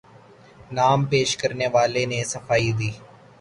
نام پیش کرنے والے نے صفائی دی